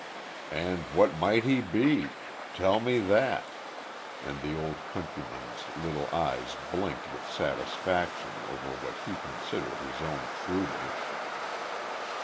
"And what might he be? Tell me that," and the old countryman's little eyes blinked with satisfaction over what he considered his own shrewdness.